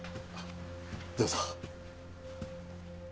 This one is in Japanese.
どうぞ。